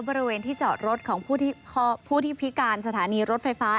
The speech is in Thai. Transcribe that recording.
บริเวณที่จอดรถของผู้ที่พิการสถานีรถไฟฟ้า